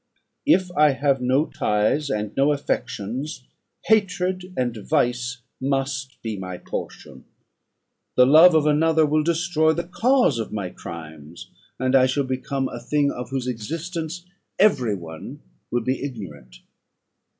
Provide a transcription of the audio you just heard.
If I have no ties and no affections, hatred and vice must be my portion; the love of another will destroy the cause of my crimes, and I shall become a thing, of whose existence every one will be ignorant.